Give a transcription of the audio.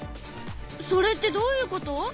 それってどういうこと？